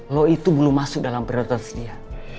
lo itu belum masuk dalam prioritas dia